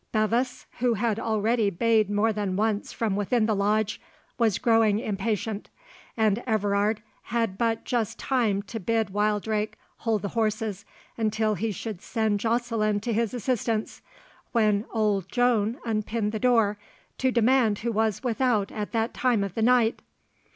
Bevis, who had already bayed more than once from within the Lodge, was growing impatient, and Everard had but just time to bid Wildrake hold the horses until he should send Joceline to his assistance, when old Joan unpinned the door, to demand who was without at that time of the night.